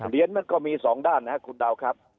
เพราะฉะนั้นมันก็มีสองด้านนะครับคุณดาวครับ